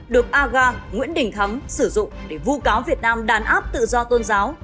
được aga nguyễn đình thấm sử dụng để vu cáo việt nam đàn áp tự do tôn giáo